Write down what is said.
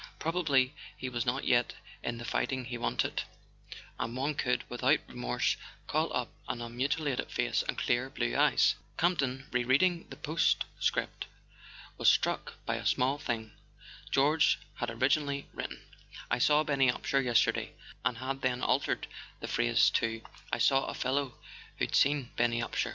Probably he was not yet in the fighting he wanted, and one could, without re¬ morse, call up an unmutilated face and clear blue eyes. Campton, re reading the postscript, was struck by a small thing. George had originally written: "I saw Benny Upsher yesterday," and had then altered the phrase to: "I saw a fellow who'd seen Benny Upsher."